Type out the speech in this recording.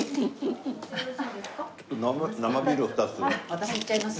私いっちゃいます。